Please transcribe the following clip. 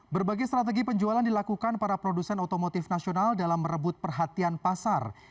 berbagai strategi penjualan dilakukan para produsen otomotif nasional dalam merebut perhatian pasar